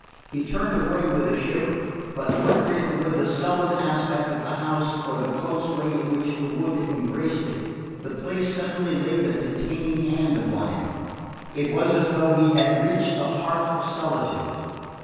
He turned away with a shiver; but whether it were the sullen aspect of the house, or the close way in which the wood embraced it, the place suddenly laid a detaining hand upon him. It was as though he had reached the heart of solitude.